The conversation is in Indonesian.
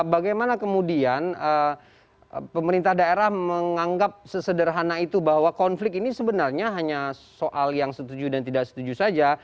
bagaimana kemudian pemerintah daerah menganggap sesederhana itu bahwa konflik ini sebenarnya hanya soal yang setuju dan tidak setuju saja